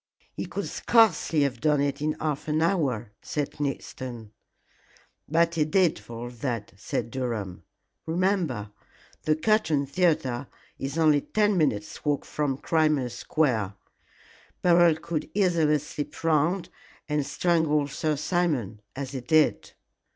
"He could scarcely have done it in half an hour," said Conniston. "But he did for all that," said Durham. "Remember, the Curtain Theatre is only ten minutes' walk from Crimea Square. Beryl could easily slip round and strangle Sir Simon as he did."